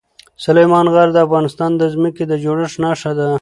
سلیمان غر د افغانستان د ځمکې د جوړښت نښه ده.